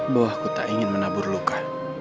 bahwa aku tak ingin menabur luka